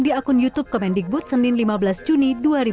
di akun youtube kemendikbud senin lima belas juni dua ribu dua puluh